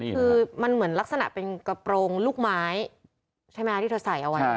คือมันเหมือนลักษณะเป็นกระโปรงลูกไม้ใช่ไหมคะที่เธอใส่เอาไว้